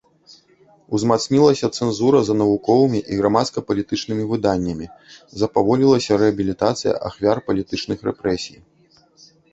Узмацнілася цэнзура за навуковымі і грамадска-палітычнымі выданнямі, запаволілася рэабілітацыя ахвяр палітычных рэпрэсій.